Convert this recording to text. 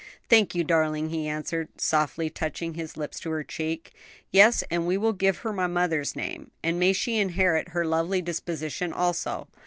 "Thank you, darling," he answered, softly touching his lips to her cheek; "yes, we will give her my mother's name, and may she inherit her lovely disposition also."